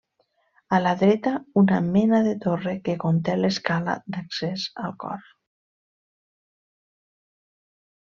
A la dreta una mena de torre que conté l'escala d'accés al cor.